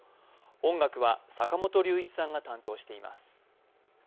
音楽は坂本龍一さんが担当しています。